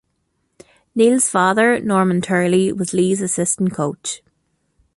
Neil's father, Norman Turley, was Leigh's assistant coach.